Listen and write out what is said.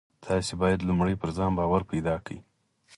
تاسې بايد لومړی پر ځان باور پيدا کړئ.